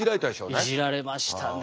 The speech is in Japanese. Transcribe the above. いじられましたね。